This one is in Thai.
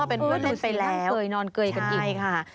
เป็นเพื่อนกันไปแล้วเกยนอนเกยกันอีกค่ะ